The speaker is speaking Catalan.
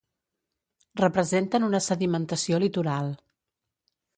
Representen una sedimentació litoral.